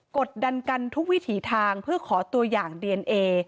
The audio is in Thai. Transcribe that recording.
กดดันกันทุกวิถีทางเพื่อขอตัวอย่างดีเอนเอ